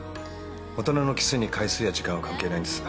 大人のキスに回数や時間は関係ないんです。